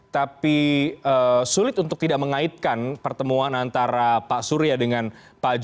tapi sulit untuk tidak mengaitkan pertemuan antara pak surya dengan pak jokowi